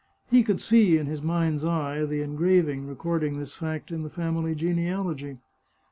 He could see, in his mind's eye, the en graving recording this fact in the family genealogy.